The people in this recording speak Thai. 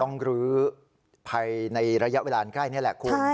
รื้อภายในระยะเวลาใกล้นี่แหละคุณ